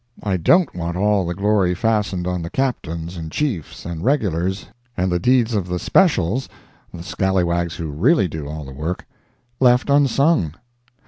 I don't want all the glory fastened on the Captains and Chiefs and regulars, and the deeds of the specials—the scallawags who really do all the work—left unsung.